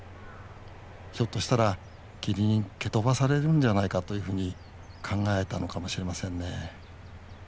ひょっとしたらキリンに蹴飛ばされるんじゃないかというふうに考えたのかもしれませんね。